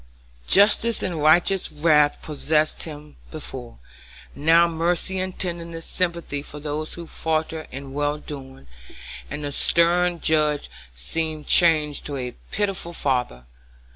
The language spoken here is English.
Justice and righteous wrath possessed him before, now mercy and tenderest sympathy for those who faltered in well doing, and the stern judge seemed changed to a pitiful father.